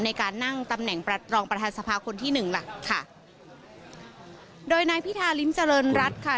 ในการนั่งตำแหน่งประรองประธานสภาคนที่หนึ่งหลักค่ะโดยนายพิธาริมเจริญรัฐค่ะ